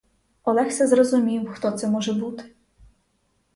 Олекса зрозумів, хто це може бути.